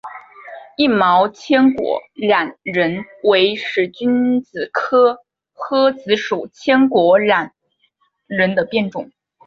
硬毛千果榄仁为使君子科诃子属千果榄仁的变种。